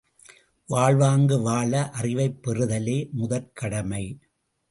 வாழ்வாங்கு வாழ அறிவைப் பெறுதலே முதற்கடமை.